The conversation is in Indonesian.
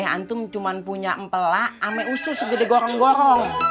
antum cuman punya empela ama usus gede gorong gorong